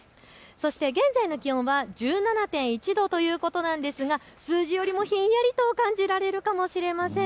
そして現在の気温は１７．１度ということなんですが数字よりもひんやりと感じられるかもしれません。